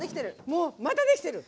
もうまたできてる！